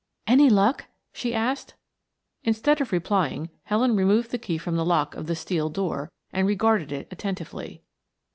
"Any luck?" she asked Instead of replying Helen removed the key from the lock of the steel door and regarded it attentively.